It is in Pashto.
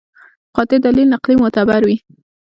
قاطع دلیل نقلي معتبر وي.